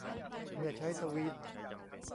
เมื่อใช้ทวีต